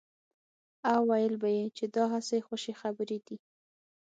او ويل به يې چې دا هسې خوشې خبرې دي.